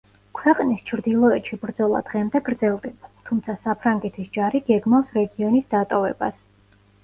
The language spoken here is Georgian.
ქვეყნის ჩრდილოეთში ბრძოლა დღემდე გრძელდება, თუმცა საფრანგეთის ჯარი გეგმავს რეგიონის დატოვებას.